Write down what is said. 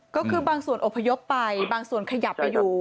ก็คือบางส่วนอพยพไปบางส่วนขยับไปอยู่